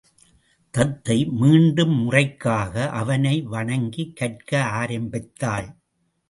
தத்தை மீண்டும் முறைக்காக அவனை வணங்கிக் கற்க ஆரம்பித்தாள்.